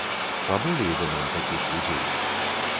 Паболей бы нам такіх людзей.